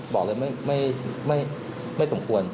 บอกเลยไม่สมควร